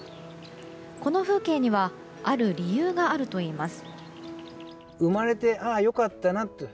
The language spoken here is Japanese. この風景にはある理由があるといいます。